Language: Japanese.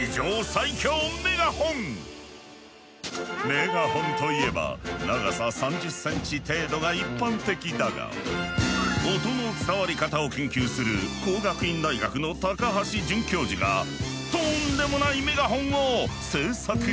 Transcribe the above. メガホンといえば長さ３０センチ程度が一般的だが音の伝わり方を研究する工学院大学の高橋准教授がとんでもないメガホンを制作した。